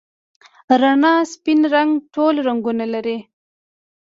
د رڼا سپین رنګ ټول رنګونه لري.